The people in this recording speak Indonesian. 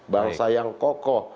bangsa yang kokoh